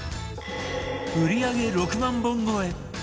売り上げ６万本超え